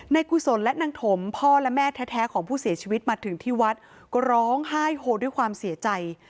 กุศลและนางถมพ่อและแม่แท้ของผู้เสียชีวิตมาถึงที่วัดก็ร้องไห้โฮด้วยความเสียใจ